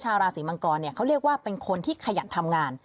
ชาวราศีมังกรเขาเรียกว่าเป็นคนที่ขยันทำงาน